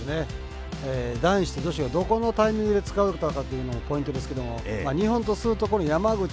男子と女子がどこのタイミングで使われたかというのもポイントですけども日本とすると、この山口。